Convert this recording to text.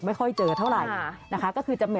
ไม่ค่อยเจอเท่าไหร่นะคะ